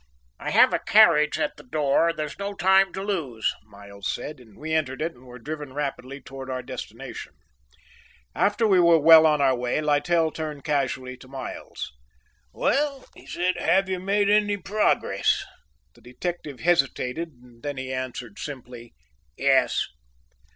"I have a carriage at the door; there is no time to lose," Miles said, and we entered it and were driven rapidly towards our destination. After we were well on our way, Littell turned casually to Miles. "Well," he said, "have you made any progress?" The detective hesitated, then he answered simply, "Yes."